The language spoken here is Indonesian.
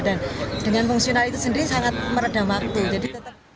dan dengan fungsional itu sendiri sangat meredam waktu